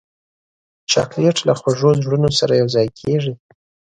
چاکلېټ له خوږو زړونو سره یوځای کېږي.